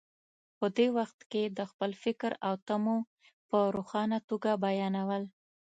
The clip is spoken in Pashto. په دې وخت کې د خپل فکر او تمو په روښانه توګه بیانول.